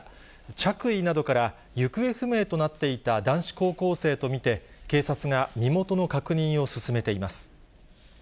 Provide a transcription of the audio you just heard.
着衣などから、行方不明となっていた男子高校生と見て、警察が身元の確認を進めています。